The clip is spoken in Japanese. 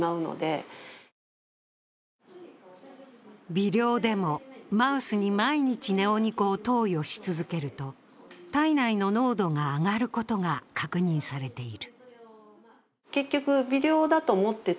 微量でもマウスに毎日ネオニコを投与し続けると、体内の濃度が上がることが確認されている。